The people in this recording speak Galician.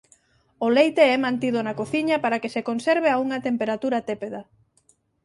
O leite é mantido na cociña para que se conserve a unha temperatura tépeda.